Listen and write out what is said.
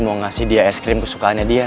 mau ngasih dia es krim kesukaannya dia